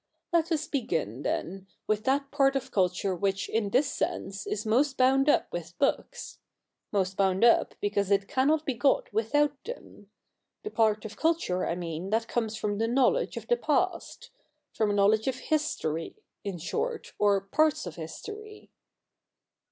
Let us begin, then, with that part of culture which in this sense is most bound up with books —most bound up because it cannot be got without them ; the part of culture, I mean, that comes from the knowledge of the past — from a knowledge of history, in short, or parts of history.'